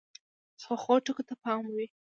پخو ټکو ته پام وي